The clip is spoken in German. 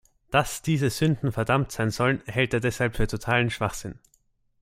Dass diese Sünden verdammt sein sollen, hält er deshalb für "totalen Schwachsinn".